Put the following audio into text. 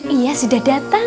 iya sudah datang